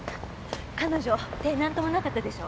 彼女手なんともなかったでしょ？